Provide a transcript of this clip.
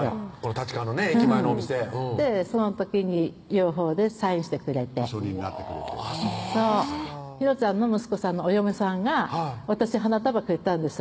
立川の駅前のお店その時に両方でサインしてくれて保証人になってくれてそうですかひろちゃんの息子さんのお嫁さんが私花束くれたんですよ